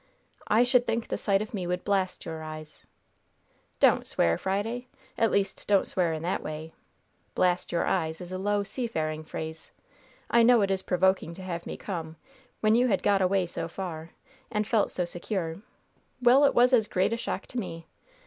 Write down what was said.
"I should think the sight of me would blast your eyes!" "Don't swear, Friday! At least, don't swear in that way. 'Blast your eyes' is a low, seafaring phrase. I know it is provoking to have me come, when you had got away so far and felt so secure! Well, it was as great a shock to me!